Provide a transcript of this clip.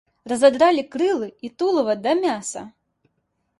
Разадралі крылы і тулава да мяса.